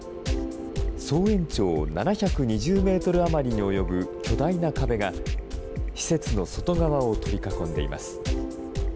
総延長７２０メートル余りに及ぶ巨大な壁が、施設の外側を取り囲んでいます。